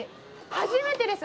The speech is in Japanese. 初めてです！